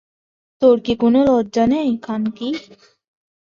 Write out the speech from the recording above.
তোর কি কোন লজ্জা নেই, খানকি!